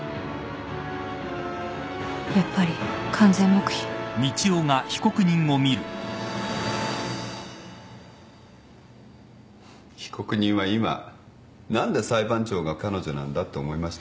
やっぱり完全黙秘被告人は今「何で裁判長が彼女なんだ」って思いました？